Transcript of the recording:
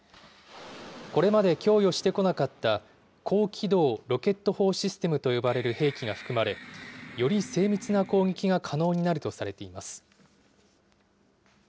これまで供与してこなかった、高機動ロケット砲システムと呼ばれる兵器が含まれ、より精密な攻撃が可能になるとされています。